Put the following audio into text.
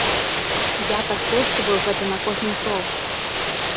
Я падкрэсліваю гэта на кожным кроку!